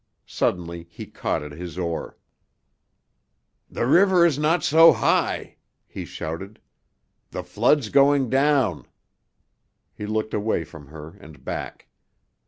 Suddenly he caught at his oar. "The river is not so high," he shouted; "the flood's going down." He looked away from her and back.